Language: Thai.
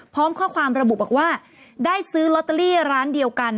พร้อมข้อความระบุบอกว่าได้ซื้อลอตเตอรี่ร้านเดียวกัน